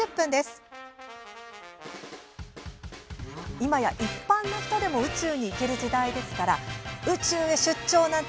今や一般の人でも宇宙へ行ける時代ですから宇宙へ出張なんて